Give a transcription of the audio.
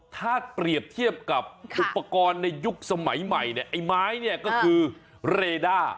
ถ้าเปรียบเทียบกับอุปกรณ์ในยุคสมัยใหม่เนี่ยไอ้ไม้เนี่ยก็คือเรด้า